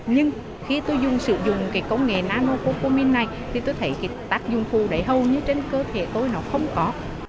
nhưng khi tôi dùng sử dụng cái công nghệ nanocopomin này thì tôi thấy cái tác dụng phụ đấy hầu như trên cơ thể tôi nó không có